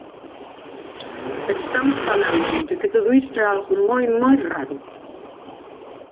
Pero estamos falando de que todo isto é algo moi, moi raro.